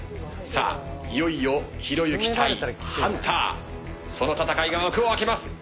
いよいよ、ひろゆき対ハンターその戦いが幕を開けます！